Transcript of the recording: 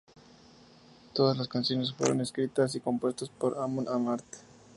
Todas las canciones fueron escritas y compuestas por Amon Amarth.